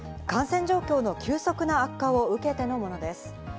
感染状況の急速な悪化を受けてのものです。